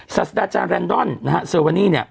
ศาสดาอาจารย์เรนดอนเซลวานีเนี่ย